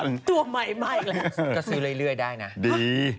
ก็ซื้อเรื่อยได้นะ